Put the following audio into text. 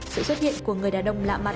sự xuất hiện của người đàn ông lạ mặt